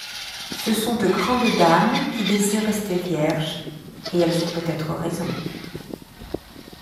Ce sont de grandes dames, qui désirent rester vierges, et elles ont peut-être raison.